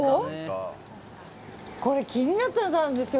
これ、気になってたんですよ。